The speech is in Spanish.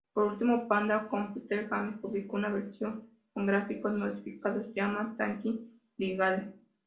Por último, Panda Computer Games publicó una versión con gráficos modificados llamada "Tank Brigade".